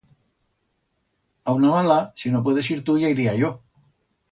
A una mala, si no puedes ir tu, ya iría yo.